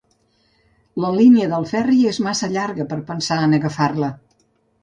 La línia del ferri és massa llarga per pensar en agafar-la.